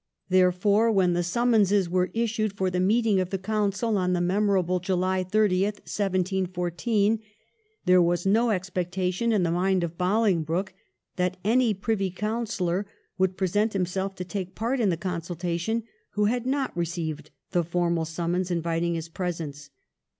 Therefore, when summonses were issued for the meeting of the Council on the memorable July 30, 1714, there was no expectation in the mind of Bolingbroke that any Privy Councillor would present himself to take part in the consultation who had not received the formal summons inviting his presence.